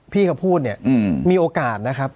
พี่เขาพูดเนี่ยมีโอกาสนะครับ